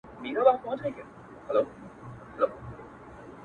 • چي پاچا ته خبر راغی تر درباره,